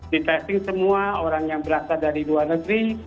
di testing semua orang yang berasal dari luar negeri